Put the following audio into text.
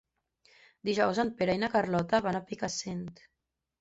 Dijous en Pere i na Carlota van a Picassent.